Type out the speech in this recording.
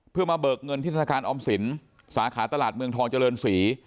เพื่อมาเบิกเงินที่ธนาคารออมสินสาขาตลาดเมืองทองเจริญศรี